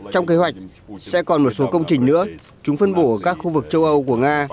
trong kế hoạch sẽ còn một số công trình nữa chúng phân bổ ở các khu vực châu âu của nga